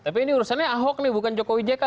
tapi ini urusannya ahok nih bukan jokowi jk